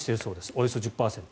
およそ１０％。